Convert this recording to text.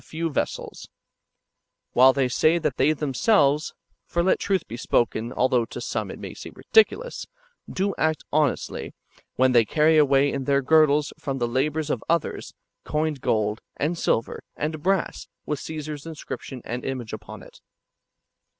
few vessels ; while they say that they themselves (for let truth be S2:)okeii, although to some it may seem ridiculous) do act honestly, when they carry away in their girdles from the labours of others, coined gold, and silver, and brass, with Co3sar's inscription and image upon it.